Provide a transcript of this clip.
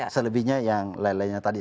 selebihnya yang lain lainnya tadi